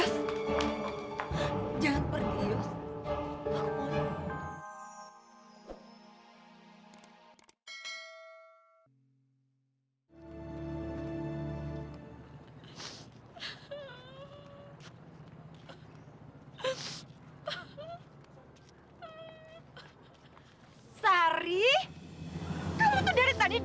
saya baru dari rumah sakit